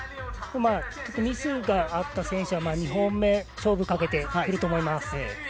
ちょっとミスがあった選手は２本目、勝負かけてくると思います。